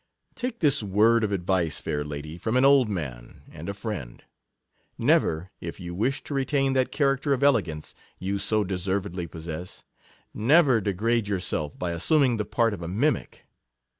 Take this word of advice, fair lady, from an old man, and a 47 friend: Never, if you wish to retain that character of elegance you so deservedly pos / sess — never degrade yourself by assuming the part of a mimic.